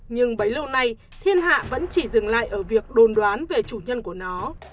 nhưng bấy lâu nay thiên hạ vẫn chỉ dừng lại ở việc đồn đoán về chủ nhân của nó